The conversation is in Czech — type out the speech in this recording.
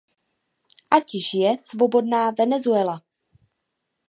Ať žije svobodná Venezuela!